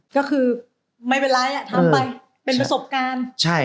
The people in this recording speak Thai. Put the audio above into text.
ก็คือไม่เป็นไรทำไปเป็นประสบการณ์